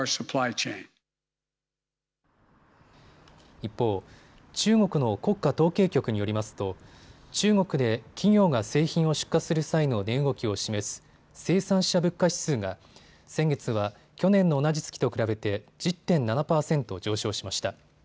一方、中国の国家統計局によりますと中国で企業が製品を出荷する際の値動きを示す生産者物価指数が先月は去年の同じ月と比べて１０．７％上昇しました。